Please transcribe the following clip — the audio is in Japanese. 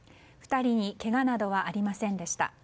２人にけがなどはありませんでした。